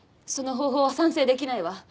その方法は賛成できないわ。